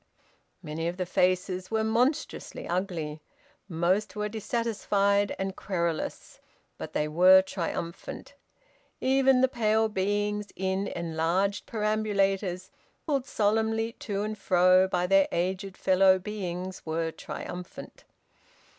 Many of the faces were monstrously ugly, most were dissatisfied and querulous; but they were triumphant. Even the pale beings in enlarged perambulators, pulled solemnly to and fro by their aged fellow beings, were triumphant.